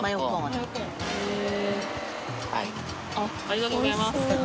呂ぁありがとうございます。